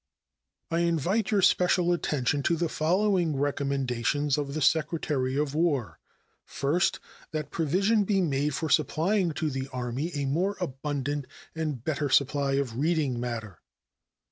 I invite your special attention to the following recommendations of the Secretary of War: First. That provision be made for supplying to the Army a more abundant and better supply of reading matter.